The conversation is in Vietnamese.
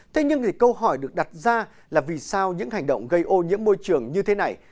thế nhưng câu hỏi được đặt ra là vì sao những hành động gây ô nhiễm môi trường như thế này